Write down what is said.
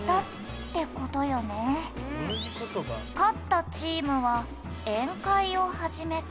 「勝ったチームは宴会を始めた」